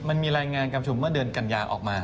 มันมีรายงานการประชุมเมื่อเดือนกัญญาออกมา